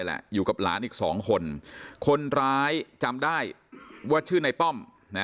แหละอยู่กับหลานอีกสองคนคนร้ายจำได้ว่าชื่อในป้อมนะ